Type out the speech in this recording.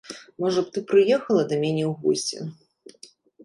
Можа б ты прыехала да мяне ў госці?